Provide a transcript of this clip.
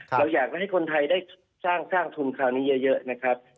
เราอยากให้คนไทยได้สร้างทุนคราวนี้เยอะนะครับ